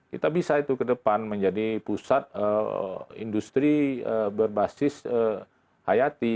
kita bisa itu ke depan menjadi pusat industri berbasis hayati